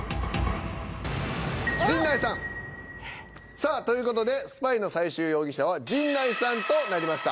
さあという事でスパイの最終容疑者は陣内さんとなりました。